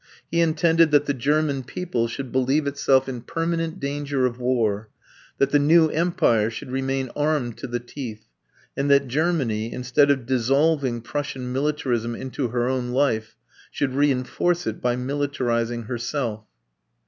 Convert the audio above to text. He intended that the German people should believe itself in permanent danger of war, that the new Empire should remain armed to the teeth, and that Germany, instead of dissolving Prussian militarism into her own life, should reinforce it by militarizing herself.